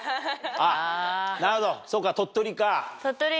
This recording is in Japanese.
あっなるほどそうか鳥取か。